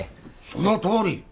そのとおり！